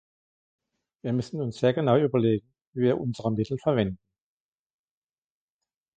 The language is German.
Wir müssen uns sehr genau überlegen, wie wir unsere Mittel verwenden.